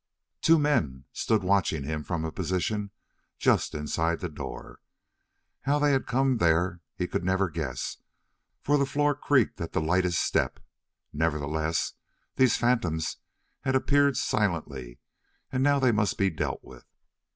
Two men stood watching him from a position just inside the door. How they had come there he could never guess, for the floor creaked at the lightest step. Nevertheless, these phantoms had appeared silently, and now they must be dealt with.